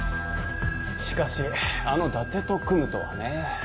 しかしあの伊達と組むとはね。